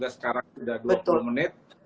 sekarang sudah dua puluh menit